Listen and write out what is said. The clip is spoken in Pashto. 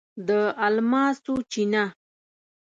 د الماسو چینه